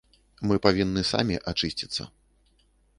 Мы павінны самі ачысціцца.